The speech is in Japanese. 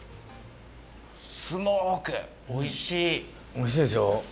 おいしいでしょ。